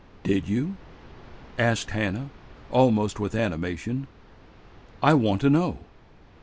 "Did you?" asked Hannah, almost with animation. "I want to know."